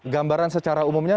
gambaran secara umumnya